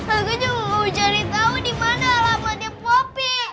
aku cuma mau cari tahu di mana alamatnya popi